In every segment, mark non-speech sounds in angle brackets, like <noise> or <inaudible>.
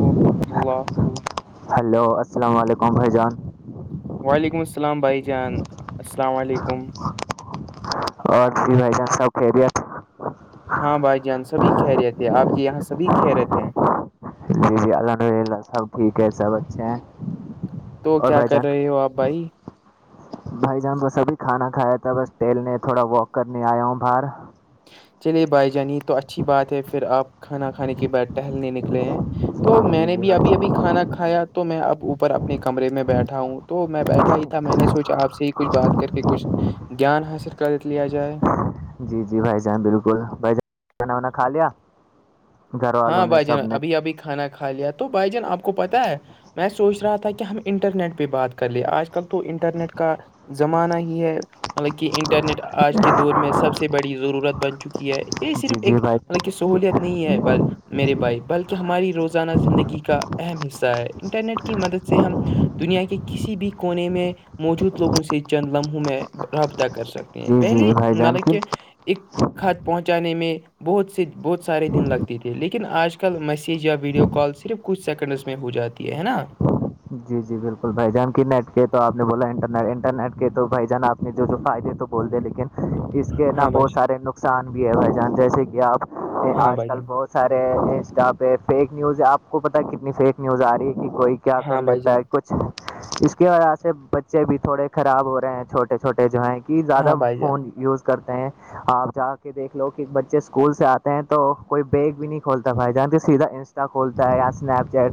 وورحمۃ اللہ ہلو السلام علیکم بھائی جان وعلیکم السلام بھائی جان السلام علیکم اور جی بھائی جان سب کہ ہاں بھائی جان سبھی کہ رہے تھے آپ کے یہاں سبھی کہ رہے تھ ہیں جی جی الحمد للہ سب ٹھیک ہے سب اچھے ہیں تو اور کیا بھائی کر جان رہے ہو آپ بھائی بھائی جان تو سبھی کھانا کھایا تھا بس ٹلنے تھوڑا واک کرنے آیا ہوں باہر چلے بھائی جان یہ تو اچھی بات ہے پھر آپ کھانا کھانے کے بعد ہلنے نکلے ہیں تو میں جی نے جی بھی ابھی بھائی ابھی کھانا کھایا تو میں اب اوپر اپنے کمرے میں بیٹھا ہوں تو میں بیٹھا ہی تھا میں نے سوچا آپ سے ہی کچھ بات کر کے کچھ گیان حاصل کر لیا جائے جی جی بھائی جان بالکل بھائی جان کھانا وا کھا لیا گھر والوں ہاں نے بھائی جان سب نے ابھی ابھی کھانا کھا لیا تو بھائی جان آپ کو پتا ہے میں سوچ رہا تھا کہ ہم انٹرنیٹ پہ بات کر لے آج کل تو انٹرنیٹ کا زمانہ ہی ہے مطلب کہ انٹرنیٹ آج کے دور میں سب سے بڑی ضرورت بن چکی ہے یہ صرف جی جی ایک بھائی مطلب کہ سہوولت نہیں ہے ب میرے بھائی بلکہ ہماری روزانہ زندگی کا اہم حصہ ہے انٹرنیٹ کی مدد سے ہم دنیا کے کسی بھی کونے میں موجود لوگوں سے چند لمحوں میں رابطہ کر سک ہیں جی جی جی پہلے بھائی جان مطلب کی کہ ایک کط پہنچانے میں بہت سے بہت سارے دن لگتے ج لیکن آج کل میسیج یا ویڈیو کال صرف کچھ سیکنڈس میں ہو جاتی ہے نا جی جی بالکل بھائی جان کی نیٹ کے تو آپ نے بولا ان انٹرنیٹ کے تو بھائی جان آپ جو جو فائدے تو بول دیں لیکن اس کے نا ہاں بھائی بہت جان سارے نقصان بھی ہے بھائی جان جیسے کہ آپ ہاں آج بھائی کل جان بہت سارے انسٹا پہ فیک نیوز آپ کو پتا کتنی فیک نیوز آ رہی ہے کہ کوئی کیا کر ہاں بھائی لیتا جان ہے کچھ اس کے وجہ سے بچے بھی تھوڑے خراب ہو رہے ہیں چھوٹے چو چھوٹے جو ہیں کہ زیادہ ہاں بھائی جان فون یوز کرتے ہیں آپ جا کے دیکھ لو کہ بچے اسکول سے آتے ہیں تو کوئی بیگ بھی نہیں کھولتا بھائی جان کے سیدھا کھولتا ہے یا اسنیپ چیٹ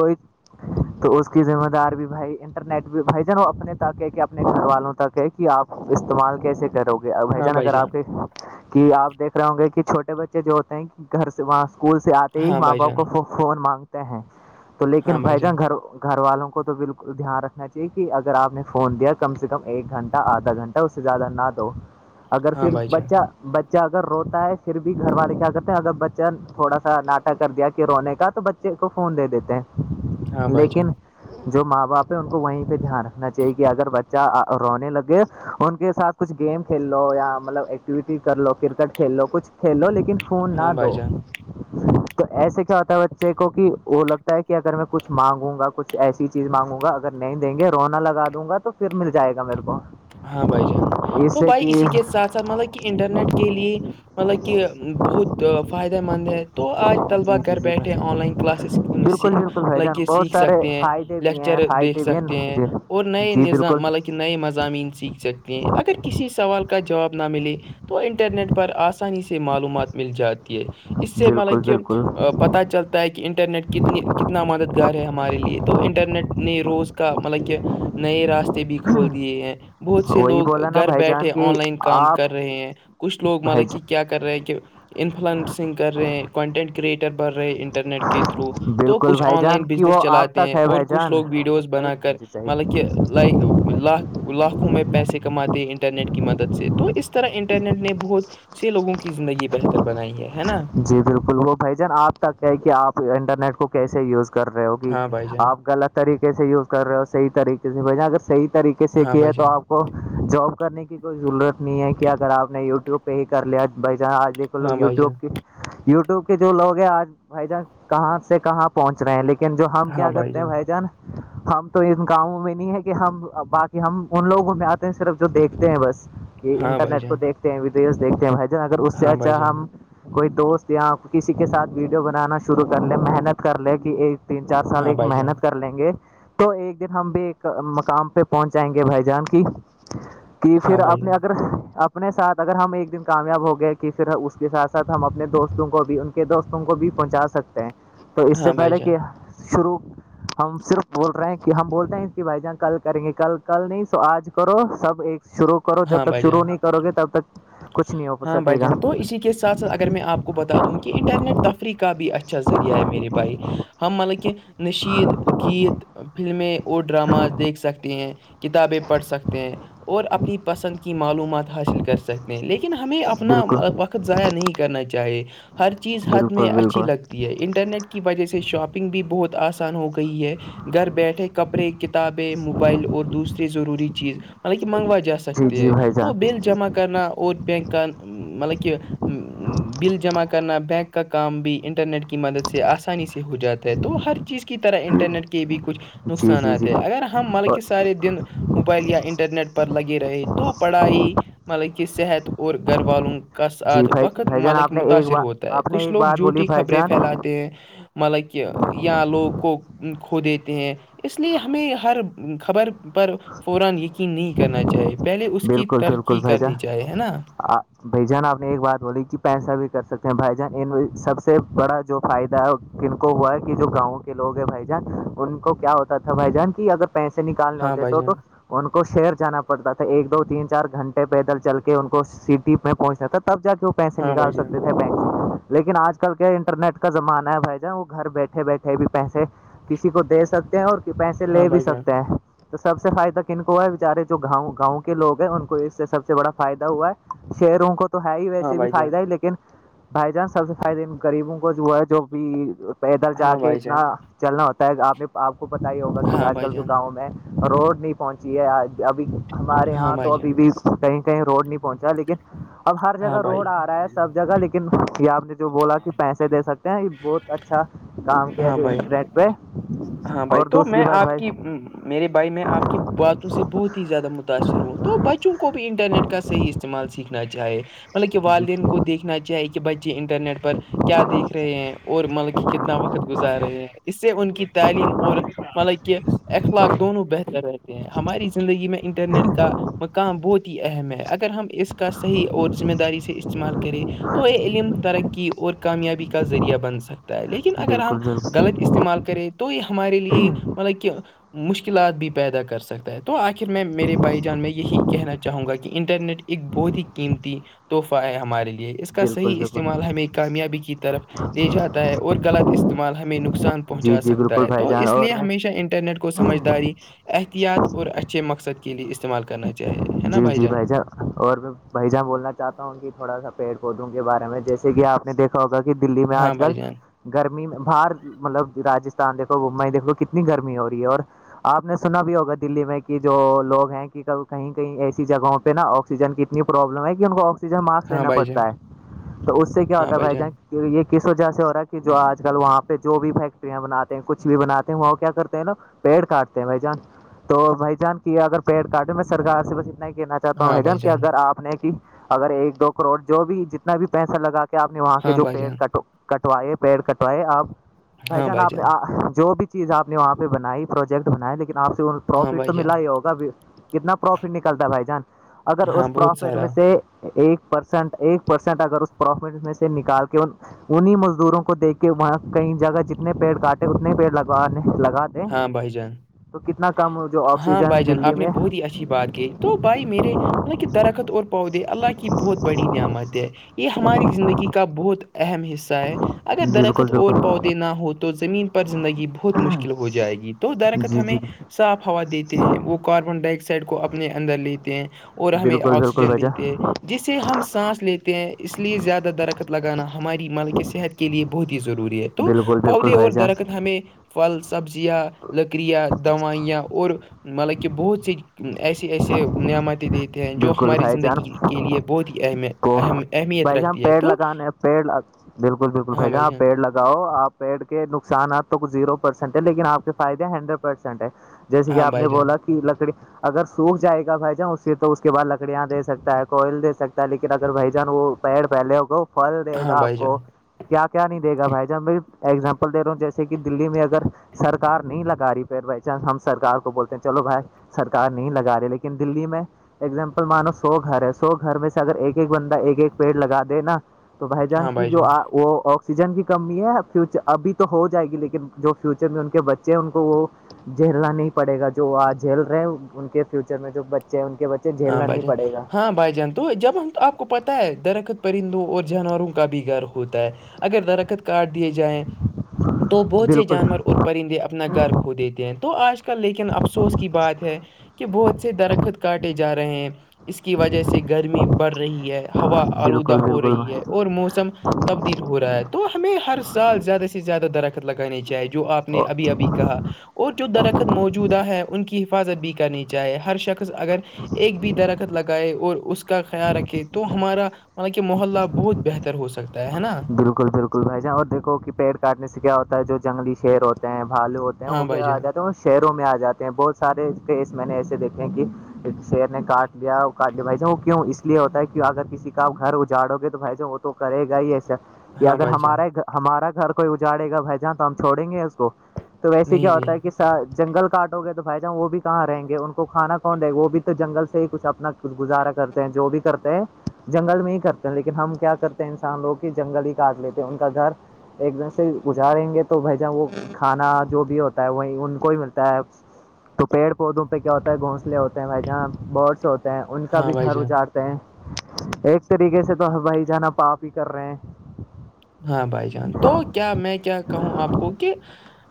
کوئی تو اس کی ذمہ دار بھی بھائی انٹرنیٹ بھی بھائی جن اپنے تک ہے کہ اپنے گھر والوں تک ہے کہ آپ استعمال کیسے کرو گے بھ ہاں جان بھائی اگر آپ کے کہ آپ دیکھ رہے ہوں گے کہ چھوٹے بچے جو ہوتے ہیں کہ گھر سے وہاں اسکول سے آتے ہی ہاں ماں بھائی باپ جان کو فون مانگتے ہیں تو لیکن ہاں بھائی جان جان گھر والوں کو تو بالکل دھیان رکھنا چاہیے کہ اگر آپ نے فون دیا کم سے کم ایک گھنٹہ آدھا گھنٹہ اسے زیادہ نہ دو اگر ہاں پھر بھائی جان بچہ بچہ اگر روتا ہے پھر بھی گھر والے کیا کرتے ہیں اگر بچہ تھوڑا سا ناٹا کر دیا کہ رونے کا تو بچہ بے کو فون دے دیتے ہاں ہیں بھائی جان لیکن جو ماں باپ ہے ان کو وہیں پہ دھیان رکھنا چاہیے کہ اگر بچہ رونے لگے ان کے ساتھ کچھ گیم کھیل لو یا مطلب ایکٹیویٹی کر لو کرکٹ کھیل لو کچھ کھیل لو لیکن فون ہاں نہ دو بھائی جان تو ایسے کیا ہوتا ہے بچے کو کہ وہ لگتا ہے کہ اگر میں کچھ مانگوں گا کچھ ایسی چیز مانگوں گا اگر نہیں دیں گے رونا لگا دوں گا تو پھر مل جائے گا میرے کو ہاں بھائی جان اس تو سے بھائی کہ اسی کے جی ساتھ ساتھ مطلب کہ انٹرنیٹ کے لیے مطلب کہ بہت فائدہ مند ہے تو آج طلبا گھر بیٹھے آن لائن کلاسز <unintelligible> بالک ف جانا کہ بہت سیکھ سارے سکتے ہیں فائدے بھی ہیں لیکچر دیکھ فائدے بھی ہیں سکتے نا مجھے اور نئے جی نظام بالکل مطلب نئے مضامین سیکھ سکتے ہیں اگر کسی سوال کا جواب نہ ملے تو انٹرنیٹ پر آسانی سے معلومات مل جاتی ہے اس سے بالکل مطلب کہ بالکل پت چلتا ہے کہ انٹرنیٹ کتنی کتنا مددگار ہے ہمارے لیے تو انٹرنیٹ نے روز کا مطلب کہ نئے راستے بھی کھول دیے ہیں بہت سے وہی لوگ بولا نا گھر بھائی جان بیٹھے کی آن لائن کام آپ کر رہے ہیں کچھ لوگ بھائی مطلب کہ کیا کر رہے ہیں کہ انفلئنسنگ کر رہے ہیں کنٹینٹ کریئٹر بن رہے ہیں انٹرنیٹ کے تھرو تو بالکل کچھ بھائی آن جان لائن کی بزنس وہ آپ چلاتے تک ہیں ہے اور بھائی کچھ جان لوگ ویڈیوز بنا کر جی چاہیے مطلب کہ لائک لاکھ لاکھوں میں پیسے کماتے انٹر رٹ کی مدد سے تو اس طرح انٹرنیٹ نے بہت سے لوگوں کی زندگی بہتر بنائی ہے نا جی بالکل وہ بھائی جان آپ تک ہے کہ آپ انٹرنیٹ کو کیسے یوز کر رہے ہوگی ہاں بھائی جان آپ غلط طریقے سے یوز کر رہے ہو صحیح طریقے سے اگر صح طریقے کیس ہاں کیا ہے بھائی تو جان آپ کو جاب کرنے کی کوئی ضرورت نہیں ہے کہ اگر آپ نے یوٹیوب پہ ہی کر لیا بھ جان آج دیک لوگ ہاں یو بھائی ٹیوب جان کے یو ٹیوب کے جو لوگ ہیں آج بھائی جان کہاں سے کہاں پہنچ رہے ہیں لیکن یکن جو ہم کیا کرتے ہیں بھائی جان ہم تو ان گاؤوں میں نہیں ہے کہ ہم باقی ہم ان لوگوں میں آتے ہیں صرف جو دیکھتے ہیں بس کہ ہاں بھائی انٹرنیٹ کو جان دیکھتے ہیں ویڈیوز دیکتے ہیں بھائی جان اگر اس سے ہاں بھائی اچھا جان ہم کوئی دوست یا کسی کے ساتھ ویڈیو بنانا شروع کر لے محنت کر لے کہ ایک تین چار سال ہاں ایک بھائی جان محنت کر لیں گے تو ایک دن ہم بھی ایک مقام پہ پہنچ جائیں گے بھائی جان کی کہ پھر ہاں بھائی اپنے جان اگر اپنے ساتھ اگر ہم ایک دن کامیاب ہو گئے کہ پھر اس کے ساتھ ساتھ ہم اپنے دوستوں کو بھی ان کے دوست تم کو بھی پہنچا سکتے ہیں تو اس سے ہاں بھائی پہلے جان کہ شروع ہم صرف بول رہے ہیں کہ ہم بولتے ہیں کہ بھائی جان کل کریں گے کل کل نہیں سو آج کرو سب ایک شروع کرو جب ہاں تک بھائی شرو جان نہیں کرو گے تب تک کچھ نہیں ہو ہاں بھ سکے گا جان تو اسی کے ساتھ ساتھ اگر میں آپ کو بتا دوں کہ انٹرنیٹ تفریح کا بھی اچھا ذریعہ ہے میرے بھائی ہم مطلب کہ نشیید گیت فلمیں اور ڈراماز دیکھ سکتے ہیں کتابیں پڑھ سکتے ہیں اور اپنی پسند کی معلومات حاصل کر سکتے ہیں لیکن ہمیں اپنا بالکل وقت ضائع نہیں کرنا چاہیے ہر چیز حد میں بالکل اچھی بالکل لگتی ی ہے انٹرنیٹ کی وجہ سے شاپنگ بھی بہت آسان ہو گئی ہے گھر بیٹھے کپڑے کتابیں موبائل اور دوسری ضروری چیز جی جی بھائی جان <inaudible> <unintelligible> مدد سے آسانی سے ہو جاتا ہے تو ہر چیز کی طرح انٹرنیٹ کے بھی کچھ جی جی نقصانات جی ہے اگر ہم حالانکہ سارے دن موبائل یا انٹرنیٹ پر لگے رہے تو پڑھائی مطلب کہ صحت اور گھر والوں کا جی ساتھ بھائی وقت بھائی جان ملک آپ نے ایک متاثر بات ہوتا ہے آپ نے کچھ ایک لوگ بات بولی جھوٹی بھائی خبریں جان پھیلاتے ہیں مطلب کہ یہاں لوگ کو کھو دیتے ہیں اس لیے ہمیں ہر خبر پر فو یقین نہیں کرنا چاہیے پہلے اس کی بالکل بالکل ترقی فائی کرنی جہ چاہیے ہے نا بھائی جان آپ نے ایک بات بولی کہ پیسہ بھی کر سکتے ہیں بھائی جان سب سے بڑا جو فائدہ ہے کن کو ہوا کہ جو گاؤں کے لوگ ہیں بھائی جان ان کو کیا ہوتا تھا بھائی جان کی اگر پیسے نکالنے ہاں ہوتے بھائی تو تو جان ان کو شہر جانا پڑتا تھا ایک دو تین چار گھنٹے پیدل چل کے ان کو سٹی پ پہنچنا تھا تب جا کےک پیسے ہاں بھائی نکال جان سکتے تھے بینک سے لیکن آج آ ج کل کے انٹرنیٹ کا زمانہ ہے بھائی پیسے ہاں لے بھی بھائی جان سکتے ہیں تو سب سے فائدہ کن کو ہے بچارے جو گاؤں گاؤں کے لوگ ہیں ان کو اس سے سب سے بڑا فائدہ ہوا ہے شہروں کو تو ہے ہی ہاں ویسے بھی بھائی جان فائدہ ہے لیکن بھائی جان سب سے فائدے غریبوں کو ہوا ہے جو بھی پیدل ہاں جا کے بھائی اتنا جان چلنا ہوتا ہے آپ نے آپ کو پتا ہی ہوگا کہ ہاں آج بھائی کل جو جان گاؤں میں روڈ نہیں پہنچی ہے ابھی ہمارے ہاں یہاں بھائی تو جان ابھی بھی کہیں کہیں روڈ نہیں پہنچا لیکن اب ہر ہاں جگہ روڈ بھائی آ رہا ہے سب جگہ لیکن آپ نے جو بولا کہ پیسے دے سکتے ہیں یہ بہت اچھا کام کیا ہاں جو بھائی انٹرنیٹ پہ ہاں بھائی اور تو دوسری میں بات آپ بھائی کی میرے بھائی میں آپ کی ب سے بہت ہی زیادہ متاثر ہوں تو بچوں کو بھی انٹرنیٹ کا صحیح استعمال سیکھنا چاہے مطلب کہ والدین کو دیکھنا چاہی کہ بچے انٹرنیٹ پر کیا دیکھ رہے ہیں اور مطلب کہ کتنا وقت گزار رہے ہیں اس سے ان کی تعلیم اور مطلب کہ اخلاق دونوں بہتر رہتے ہیں ہماری زندگی میں انٹرنیٹ کا مقام بہت ہی اہم ہے اگر ہم اس کا صحیح اور ذمہ داری سے استعمال کرے تو یہ علم ترقی کی اور کامیابی کا ذریعہ بن سکتا ہے لیکن اگر ہم بالکل بالکل غلط استعمال کریں تو یہ ہمارے لیے مطلب کہ مشکلات بھی پیدا کر سکتا ہے تو آخر میں میرے بائی جان میں یہی کہنا چاہوں گا کہ انٹرنیٹ ایک بہت ہی قیمتی تحفہ ہے ہمارے لیے اس کا بالکل صحیح بالکل استعمال ہمیں کامیابی کی طرف لے جاتا ہے اور غلط استعمال ہمیں نق نقصان جی پہنچا جی سکتا بالکل ہے بھائی تو جان اس اور لیے میں ہمیشہ انٹرنیٹ کو سمجھداری احتیاط اور اچھے مقصد کے لیے استعمال کرنا چاہیے جی جی بھائی جان اور میں بھ جان بولنا چاہتا ہوں کہ تھوڑا سا پیڑ پودوں کے بارے میں جیسے کہ آپ نے دیکھ ہوگا کہ دلی میں ہاں آج کل بھائی جان گرمی باہر مطلب راجستھان دیکھو ممبئی دیکھو کتنی گرمی ہو رہی ہے اور آپ نے سنا بھی ہوگا دلی میں کہ جو لوگ ہیں کہ کہیں ایسی جگہوں پہ نا آکسیجن کیتنی پرابلم ہے کہ کو آکسی ج مارکس ہاں لینا بھائی جان پڑتا ہے تو اس سے کیا ہوتا ہے بھائی جان کہ یہ کس وجہ سے ہو رہا ہے کہ جو آج کل وہاں پہ جو بھی فیکٹریاں بناتے ہیں کچھ بھی بناتے ہیں وہ کیا کرتے ہیں نا پیڑ کاٹتے ہیں بھائی جان تو بھائی جان کی اگر پیڑ کاٹے میں سرکار سے بس اتنا ہی کہنا چاہتا ہوں ہاں بھائی بھجان کہ جان اگر آپ کی اگر ایک دو کروڑ جو بھی جتنا بھی پیسہ لگا کے آپ نے وہاں کے ہاں جو بھائی پیڑ جان کٹ کٹ وئے پیڑ کٹوائے آپ بھائی جان آپ نے جو بھی چیز آپ نے وہاں پہ بنائی پروجیکٹ بنائے لیکن آپ سےہ ہاں پروفٹ تو بھائی جان ملا ہی ہوگا کتنا پروفٹ نکلتا بھائی جان اگر ہاں اس بہت پروفٹ میں سارا سے ایک پرسینٹ ایک پرسینٹ اگر اس پروفٹ میں سے نکال کے انیں مزدوروں کو دیک کے وہاں کئی جگہ جتنے پیڑ کاٹے اتنے پیڑ لگانے لگاتے ہاں بھائی جان تو کتنا کم ہو جو ہاں بھائی آکسیجن جان دلی آپ نے میں بہت ہی اچھی بات ہے تو بھائی میرے مطلب کہ درخت اور پؤودے اللہ کی بہت بڑی نعمت ہے یہ ہماری زندگی کا بہت اہم حصہ ہے اگر بالکل درخت اور پودے بالکل نہ ہو تو زمین پر زندگی بہت مشکل ہو جائے گی تو درخت جی جی ہمیں صاف ہوا دیتے ہیں وہ کاربن ڈائی آکسائڈ کو اپنے اندر لیتے ہیں اور ہمیں بالکل بالکل آکسیجن بھائی دیتے ہیں جان جسے ہم سانس لیتے ہیں اس لیے زیادہ درخت لگانا ہماری مالک صحت کے لیے بہت ہی ضروری ہے تو بالکل بالکل پودے اور بھائی جان درخت ہمیں پھل سبزیاں لکڑیاں دوائیاں اور مطلب کہ بہت سی ایسی ایسے نعمتیں دیتے ہیں جو بالکل ہماری بھائی جان زندگی کے لیے بہت ہی اہمیت کو اہم بھائی جان ہم رکھتی ہے پیڑ تو لگانے پڑ بالکل بالکل بھائی جان پڑ لگ رہا آپ پیڑ کے نقصانات تو ک زیرو پرسینٹ ہے لیکن آپ کے فائدے ہنڈریڈ پرسینٹ ہے جیسے کہ ہاں آپ نے بھائی جان بولا کہ لکڑی اگر سوکھ جائے گا بھائی جان اس سے تو اس کے بعد لکڑیاں دے سکتا ہے کوئل دے سکتا ہے لیکن اگر بھائی جان وہ پیڑ پہلے ہوگ پھل دے ہاں گا آپ بھائی کو جان کیا کیا نہیں دے گا بھائی جب میں ایگزامپل دےا ہوں جیسے کہ دلی میں اگر سرار نہیں لگا رہی پ بائی چانس ہم سرار کو بولتے ہیں چلو بھائی سرک نہیں لگا رہے لیکن دلی میں ایگزامپل مانو سو گھر ہے سو گھر میں سے اگر ایک ایک بندہ ایک ایک پیڑ لگا دے نا تو بھائی جان کی جو وہ آ آسیجن کی کمی ہے فیوچر ابھی تو ہو جائے گی لیکن جو فیوچر میں ان کے بچے ہیں ان کو وہ جھیلنا نہیں پڑے گا جو آ جھیل رہے ہیں ان کے فیوچر میں جو بچے ہیں ان کے بے ہاں بائی جانن ہاں بائی جن تو جب ہم آپ کو پتہ ہے درخت پرندوں اور جانوروں کا بھی گھر ہوتا ہے اگر درخت کاارڈ دیے جائیں تو بہت سے بالکل جانور اور پرندے اپنا گھر ہو دیتے ہیں تو آج کل لیکن افسوس کی بات ہے کہ بہت سے درخت کاٹے جا رہے ہیں اس کی وجہ سے گرمی بڑھ رہی ہے ہوا آلوودہ بالکل ہو بالکل رہی ہے اور موسم تبدیل ہو رہا ہے تو ہمیں ہر سال زیادہ سے زیادہ درخت لگانی چاہیے جو آپ نے اور ابھی ابھی کہا اور جو درخت موج جدا ہے ان کی حفاظت بھی کرنی چاہے ہر شخص اگر ایک بھی درخت لگا گائے اور اس کا خیال رکھے تو ہمارا مط کہ محلہ بہت بہتر ہو سکتا ہے نا بالکل بالکل بھائی جان اور دیکھو کہ پیڑ کاٹنے سے کیا ہوتا ہے جو جنگلی شیر ہوتے ہیں بھالو ہوتے ہیں ہاں وہ بھائی کیا آ جان جاتے ہیں شہروں میں آ جاتے ہیں بہت سارے کیس میں نے ایسے دیکھے ہیں کہ شیر نے کاٹ لیا کاٹ لیا بھائی ج وہ کیوں اس لیے ہوتا ہے کی اگر کسی کا گھر اجاڑو گے تو بھائی ج وہ تو کرے گا ہی ای کہ ہاں اگر بھائی جان ہمارے ہمارا گھر کوئی اجاڑے گا بھ جاں تو ہم چھوڑیں گے اس کو تو ویسے نہیں کیا ہوتا نہیں ہے کہ سا جنگل کاٹو گے تو بھائی جان وہ بھی کہاں رہیں گے ان کو کھانا کون دیں گا وہ بھی تو جنگل سے ہی کچھ اپنا کچھ گزارا کرتے ہیں جو بھی کرتے ہیں جنگل میں ہی کرتے ہیں لیکن ہم کیا کرتے ہیں انسان لوگ جنگل ہی کاٹ لیتے ہیں ان کا گھر ایک دم سے گزاریں گے تو بھائی جان وہ کھانا جو بھی ہوتا ہے وہی ان کو ہی ملتا ہے تو پیڑ پودوں پہ کیا ہوتا ہے گھونسلے ہوتے ہیں وہ جہاں برڈس ہوتے ہیں ان کا ہاں بھی بھائی گھر جان اجارتے ہیں ایک طریقے سے تو بھائی جانا پاپ ہی کر رہے ہیں <inaudible> ہاں بھائی جان تو کیا میں کیا کہوں آپ کو کہ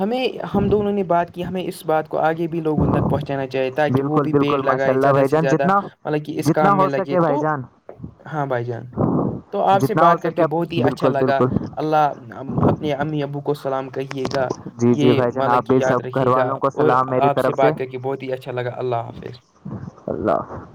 ہمیں ہم دونوں نے بات کی ہمیں اس بات کو آگے بھی لوگ ان تک پہنچانا چاہے تاکہ وہ بالکل بھی پیڑ بالکل ماشاء لگائے اللہ زیادہ بھائی سے جان زیادہ جتنا مطلب کہ اس جتنا کام میں ہو لگے سکے بھائی تو جان <unintelligible> ہاں بھائی جان تو آپ سے جتنا ہو بات کر سکے کے بہت آپ ہی اچھا اچھا بالکل لگا بالکل اللہ اپنے امی ابو کو سلام کہیے گا جی جی یہ بھائی جان آپ مطلب کہ بھی یاد سب گھر رکے گا والوں کو اور سلام میری آپ سے طرف بات کر کے بہت ہی اچھا لگا اللہ حافظ اللہ حفظ <unintelligible>